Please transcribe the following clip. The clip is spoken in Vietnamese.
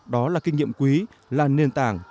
đó là kinh nghiệm quý là nền tảng